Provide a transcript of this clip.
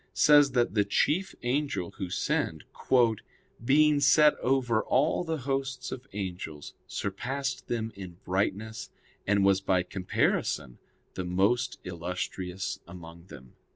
says that the chief angel who sinned, "being set over all the hosts of angels, surpassed them in brightness, and was by comparison the most illustrious among them."